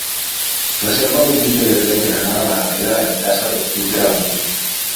Reserva'm un bitllet de tren per anar a la Galera el disset d'octubre a la nit.